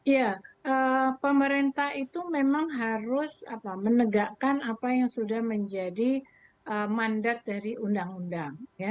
ya pemerintah itu memang harus menegakkan apa yang sudah menjadi mandat dari undang undang